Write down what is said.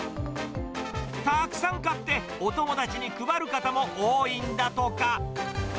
たくさん買ってお友達に配る方も多いんだとか。